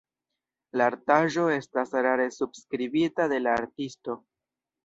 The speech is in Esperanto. La artaĵo estas rare subskribita de la artisto.